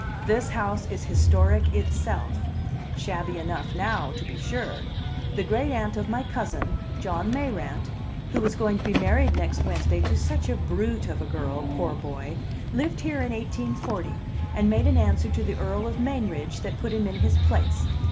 This house is historic itself. Shabby enough now, to be sure! The great aunt of my cousin, John Mayrant (who is going to be married next Wednesday, to such a brute of a girl, poor boy!), lived here in 1840, and made an answer to the Earl of Mainridge that put him in his place.